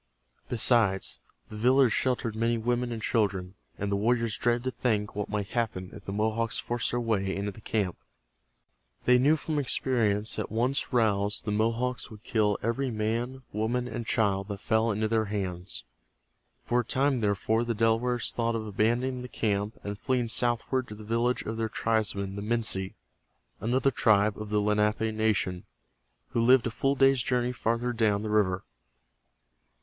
Besides, the village sheltered many women and children, and the warriors dreaded to think what might happen if the Mohawks forced their way into the camp. They knew from experience that once roused, the Mohawks would kill every man, woman and child that fell into their hands. For a time, therefore, the Delawares thought of abandoning the camp and fleeing southward to the village of their tribesmen, the Minsi, another tribe of the Lenape nation who lived a full day's journey farther down the river.